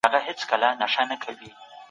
زړه له فشار سره مخ کېږي.